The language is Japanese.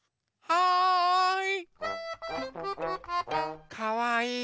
はい。